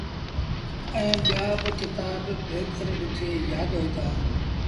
ائيٚݩ ٻيآ با ڪتآب بيٚگر ڏٺي يآد هوئيٚتآ۔